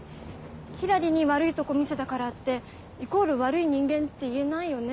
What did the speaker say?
ひらりに悪いとこ見せたからってイコール悪い人間って言えないよね？